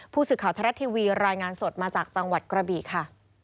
ผู้สื่อข่าวไทยรัฐทีวีรายงานสดมาจากจังหวัดกระบีค่ะ